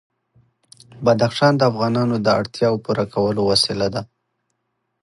بدخشان د افغانانو د اړتیاوو د پوره کولو وسیله ده.